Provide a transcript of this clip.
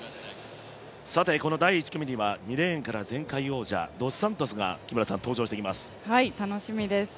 この第１組には、２レーンから前回王者ドスサントスが登場してきます。